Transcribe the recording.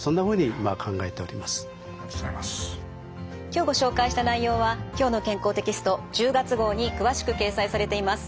今日ご紹介した内容は「きょうの健康」テキスト１０月号に詳しく掲載されています。